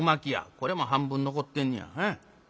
これも半分残ってんねや。